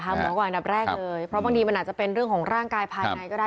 หมอก่อนอันดับแรกเลยเพราะบางทีมันอาจจะเป็นเรื่องของร่างกายภายในก็ได้